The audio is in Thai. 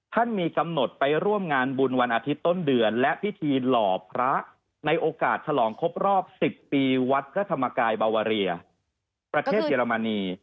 มีกำหนดไปร่วมงานบุญวันอาทิตย์ต้นเดือนและพิธีหล่อพระในโอกาสฉลองครบรอบ๑๐ปีวัดพระธรรมกายบาวาเรียประเทศเยอรมนี